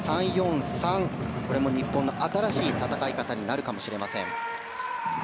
３−４−３これも日本の新しい戦い方になるかもしれません。